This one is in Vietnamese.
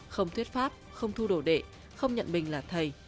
không thuyết pháp không thu đồ đệ không nhận mình là thầy